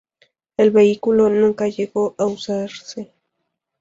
El vehículo nunca llegó a usarse.